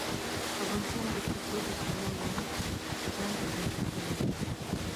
افغانستان د کلتور د پلوه ځانته ځانګړتیا لري.